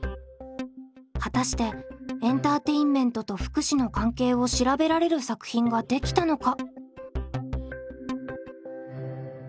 果たしてエンターテインメントと福祉の関係を調べられる作品ができたのか？